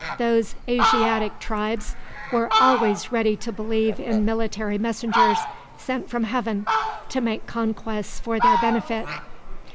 Those Asiatic tribes were always ready to believe in military messengers sent from heaven to make conquests for their benefit.